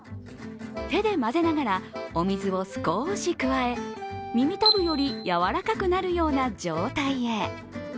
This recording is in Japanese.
手で混ぜながらお水を少し加え耳たぶより柔らかくなるような状態へ。